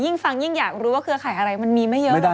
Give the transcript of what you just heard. ยิ่งฟังยิ่งอยากรู้ว่าเครือไขอะไรมันมีไม่เยอะ